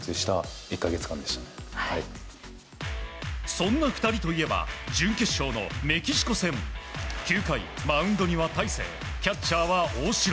そんな２人といえば準決勝のメキシコ戦。９回、マウンドには大勢キャッチャーは大城。